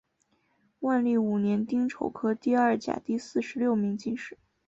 万历五年丁丑科第二甲第四十六名进士。